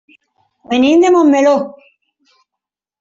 Venim de Montmeló.